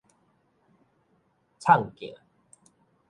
藏鏡